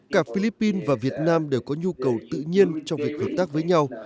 cả philippines và việt nam đều có nhu cầu tự nhiên trong việc hợp tác với nhau